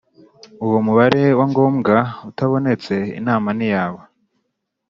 Uwo Mubare Wa Ngombwa Utabonetse Inama ntiyaba